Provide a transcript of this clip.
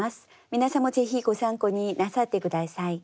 皆さんもぜひご参考になさって下さい。